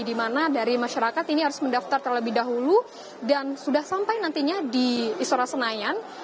di mana dari masyarakat ini harus mendaftar terlebih dahulu dan sudah sampai nantinya di istora senayan